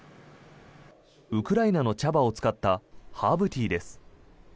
ウクライナの茶葉を使ったハーブティーです。